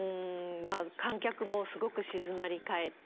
まあ観客もすごく静まり返って。